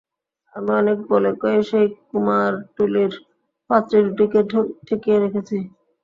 আমি অনেক বলে কয়ে সেই কুমারটুলির পাত্রীদুটিকে ঠেকিয়ে রেখেছি।